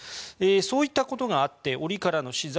そういったことがあって折からの資材